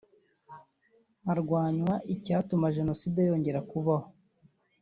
harwanywa icyatuma Jenoside yongera kubaho